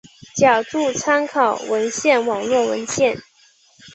脚注参考文献网络文献